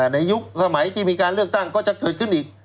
ยุคสมัยที่มีการเลือกตั้งก็จะเกิดขึ้นอีก